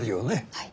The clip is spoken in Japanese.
はい。